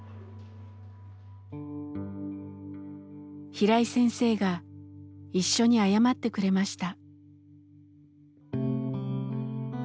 平井先生が一緒に謝ってくれました。